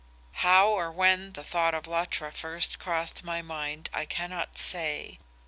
"How or when the thought of Luttra first crossed my mind I cannot say.